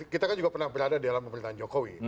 kita kan juga pernah berada di dalam pemerintahan jokowi